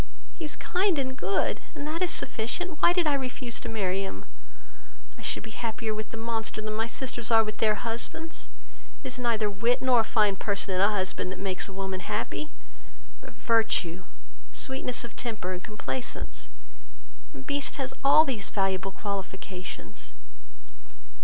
He is kind and good, and that is sufficient. Why did I refuse to marry him? I should be happier with the monster than my sisters are with their husbands; it is neither wit nor a fine person in a husband, that makes a woman happy; but virtue, sweetness of temper, and complaisance: and Beast has all these valuable qualifications.